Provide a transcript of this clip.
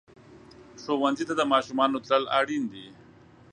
ښوونځي ته د ماشومانو تلل اړین دي.